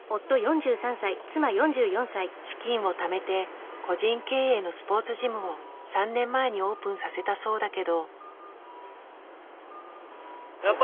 資金をためて個人経営のスポーツジムを３年前にオープンさせたそうだけど。